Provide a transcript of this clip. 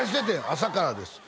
「朝からです」